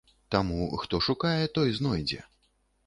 Таму хто шукае, той знойдзе.